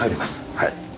はい。